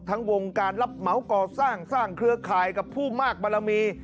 วงการรับเหมาก่อสร้างสร้างเครือข่ายกับผู้มากบารมี